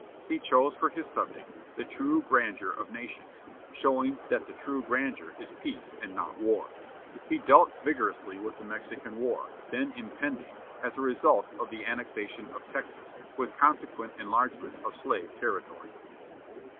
He chose for his subject "The True Grandeur of Nations," showing that the "true grandeur" is peace and not war. He dealt vigorously with the Mexican War, then impending, as a result of the annexation of Texas, with consequent enlargement of slave territory.